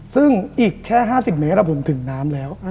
ซึ่งอีกแค่๕๐เมตรผมถึงน้ำแล้ว